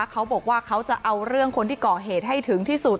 เขาบอกว่าเขาจะเอาเรื่องคนที่ก่อเหตุให้ถึงที่สุด